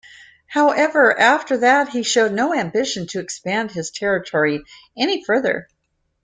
However, after that he showed no ambition to expand his territory any further.